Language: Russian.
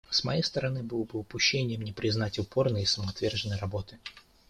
С моей стороны было бы упущением не признать упорной и самоотверженной работы.